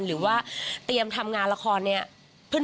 หรือว่าเตรียมทำงานละครเนี่ย